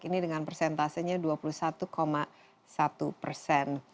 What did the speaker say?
ini dengan persentasenya dua puluh satu satu persen